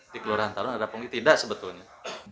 di kelurahan talun ada pungli tidak sebetulnya